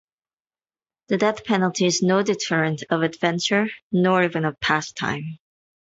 The death penalty is no deterrent of adventure, nor even of pastime.